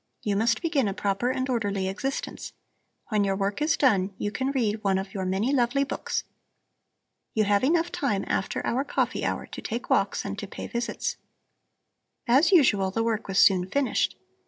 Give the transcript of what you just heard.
You must begin a proper and orderly existence. When your work is done you can read one of your many lovely books. You have enough time after our coffee hour to take walks and to pay visits." As usual the work was soon finished.